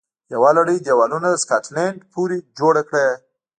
یوه لړۍ دېوالونه د سکاټلند پورې جوړه کړه